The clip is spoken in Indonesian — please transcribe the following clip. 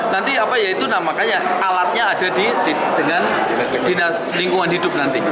nanti apa ya itu namanya alatnya ada dengan dinas lingkungan hidup nanti